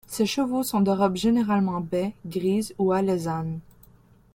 Ces chevaux sont de robe généralement baie, grise ou alezane.